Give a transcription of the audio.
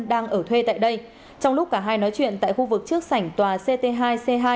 đang ở thuê tại đây trong lúc cả hai nói chuyện tại khu vực trước sảnh tòa ct hai c hai